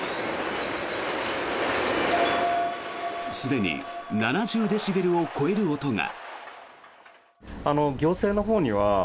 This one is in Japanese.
すでに７０デシベルを超える音が。